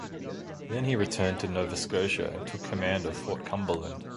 Then he returned to Nova Scotia and took command of Fort Cumberland.